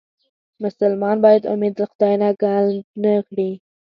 مسلمان باید امید له خدای نه لنډ نه کړي.